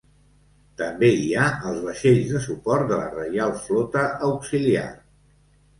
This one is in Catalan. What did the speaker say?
També hi ha els vaixells de suport de la Reial Flota Auxiliar.